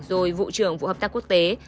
rồi vụ trưởng vụ hợp tác quốc tế